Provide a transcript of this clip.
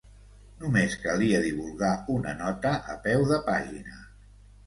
Només calia divulgar una nota a peu de pàgina.